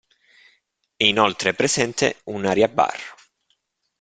È inoltre presente un'area bar.